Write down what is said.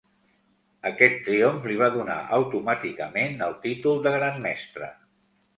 Aquest triomf li va donar automàticament el títol de Gran Mestre.